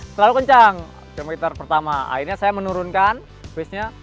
selalu kencang kilometer pertama akhirnya saya menurunkan pace nya